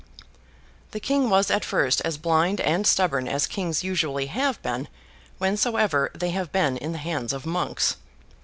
The King was at first as blind and stubborn as kings usually have been whensoever they have been in the hands of monks.